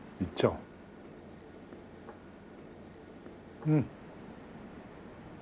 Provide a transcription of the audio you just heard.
うん。